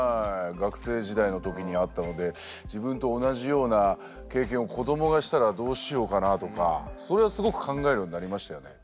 学生時代の時にあったので自分と同じような経験を子どもがしたらどうしようかなとかそれはすごく考えるようになりましたよね。